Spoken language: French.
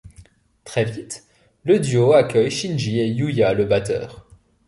Très vite le duo accueille Shinji et Yuya le batteur.